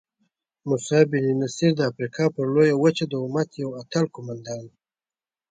موسی بن نصیر د افریقا پر لویه وچه د امت یو اتل قوماندان وو.